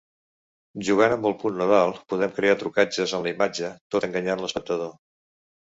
Jugant amb el punt nodal podem crear trucatges en la imatge, tot enganyant l'espectador.